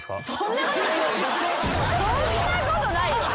そんなことないよ。